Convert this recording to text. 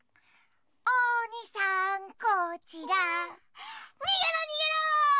おにさんこちらにげろにげろ！